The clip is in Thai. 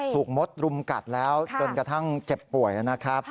มดรุมกัดแล้วจนกระทั่งเจ็บป่วยนะครับ